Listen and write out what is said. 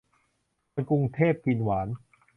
คนกรุงเทพกินหวาน